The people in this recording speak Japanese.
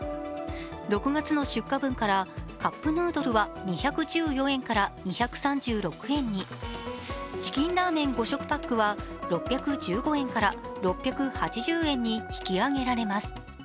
６月の出荷分からカップヌードルは２１４円から２３６円にチキンラーメン５食パックは６１５円から６８０円に引き上げられます。